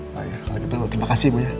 oke kalau gitu terima kasih ibu ya